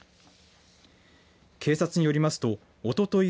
警察によりますとおととい